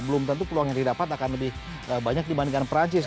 belum tentu peluang yang didapat akan lebih banyak dibandingkan perancis